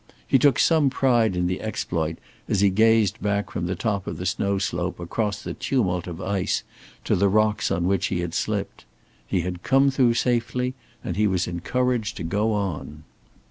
He took some pride in the exploit as he gazed back from the top of the snow slope across the tumult of ice to the rocks on which he had slipped. He had come through safely, and he was encouraged to go on.